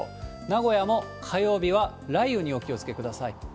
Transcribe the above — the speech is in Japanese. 名古屋も火曜日は雷雨にお気をつけください。